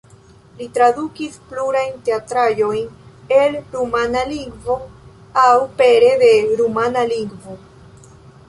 Li tradukis plurajn teatraĵojn el rumana lingvo aŭ pere de rumana lingvo.